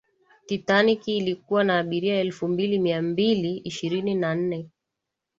titaniki ilikuwa na abiria elfu mbili mia mbili ishirini na nne